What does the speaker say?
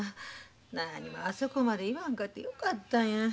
なにもあそこまで言わんかてよかったんや。